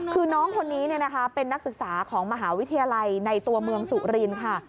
คือน้องคนนี้เป็นนักศึกษาของมหาวิทยาลัยในตัวเมืองสุรินค่ะ